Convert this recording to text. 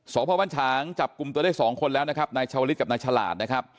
สพฉจับกุมตัวได้สองคนแล้วนะครับนายชาวฤทธิ์กับนายฉลาดนะครับ